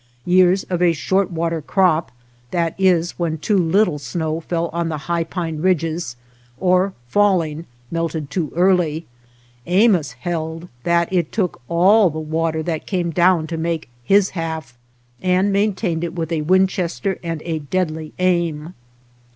Years of a " short water crop," that IS, when too little snow fell on the high pine ridges, or, falling, melted too early, ^mos held that it took all the water that came down to make his half, and maintained it with a Winchester and a deadly aim.